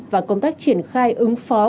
và công tác triển khai ứng phó